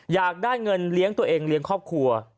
อยากได้เงินเลี้ยงตัวเองเลี้ยงครอบครัว